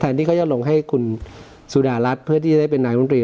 ที่เขาจะลงให้คุณสุดารัฐเพื่อที่จะได้เป็นนายมนตรี